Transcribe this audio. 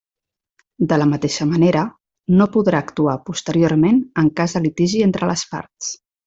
De la mateixa manera, no podrà actuar posteriorment en cas de litigi entre les parts.